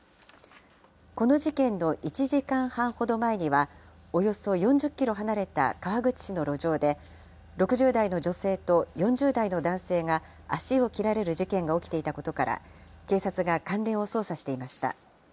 この事件の１時間半ほど前には、およそ４０キロ離れた川口市の路上で、６０代の女性と４０代の男性が足を切られる事件が起きていたことから、警察が関連を捜査していました。